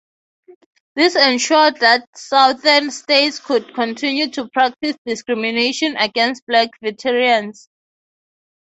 This ensured that southern states could continue to practice discrimination against black veterans.